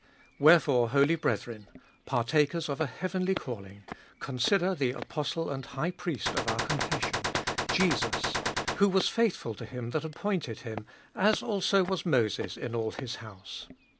Wherefore, holy brethren, partakers of a heavenly calling, consider the Apostle and High Priest of our confession, Jesus. 2. Who was faithful to him that appointed him, as also was Moses in all his house.